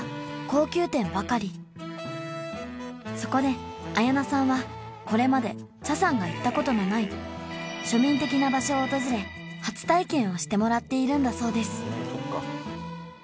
そこで綾菜さんはこれまで茶さんが行ったことのない庶民的な場所を訪れ初体験をしてもらっているんだそうです